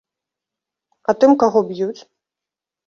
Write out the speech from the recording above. А тым, каго б'юць?